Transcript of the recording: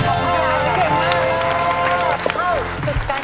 เยี่ยมมาก